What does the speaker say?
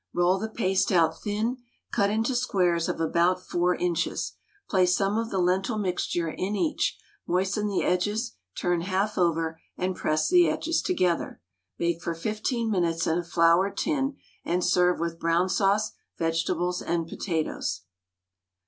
Roll the paste out thin, cut into squares of about 4 inches. Place some of the lentil mixture in each, moisten the edges, turn half over, and press the edges together. Bake for 15 minutes in a floured tin, and serve with brown sauce, vegetables, and potatoes.